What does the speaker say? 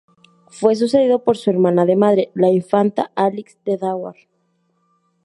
Fue sucedido por su hermana de madre, la infanta Alix de Thouars.